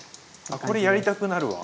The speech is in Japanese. あこれやりたくなるわ。